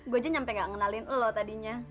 gue aja nyampe gak ngenalin lo tadinya